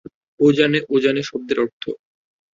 ও জানে, ও জানে শব্দের অর্থ।